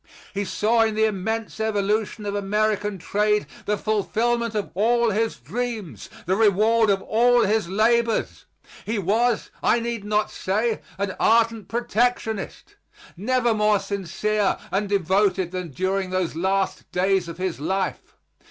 He saw in the immense evolution of American trade the fulfilment of all his dreams, the reward of all his labors. He was, I need not say, an ardent protectionist, never more sincere and devoted than during those last days of his life.